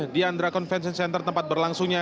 diandra convention center tempat berlangsungnya